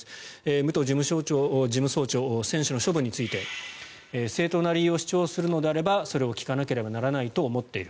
武藤事務総長は選手の処分について正当な理由を主張するのであればそれを聞かなければならないと思っている。